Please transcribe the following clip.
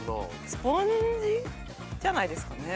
スポンジじゃないですかね？